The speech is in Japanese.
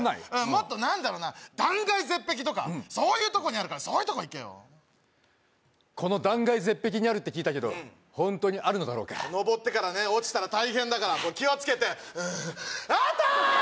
もっと何だろうな断崖絶壁とかそういうとこにあるからそういうとこ行けよこの断崖絶壁にあるって聞いたけどホントにあるのだろうか登ってからね落ちたら大変だから気をつけてあったー！